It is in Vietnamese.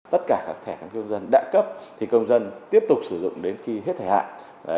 tất cả các thẻ căn cước dân đã cấp thì công dân tiếp tục sử dụng đến khi hết thời hạn